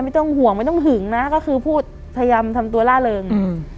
ไม่ต้องห่วงไม่ต้องหึงนะก็คือพูดพยายามทำตัวล่าเริงอืม